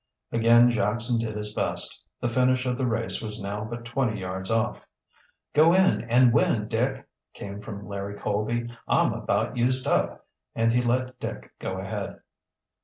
Again Jackson did his best. The finish of the race was now but twenty yards off. "Go in and win, Dick," came from Larry Colby. "I'm about used up," and he let Dick go ahead.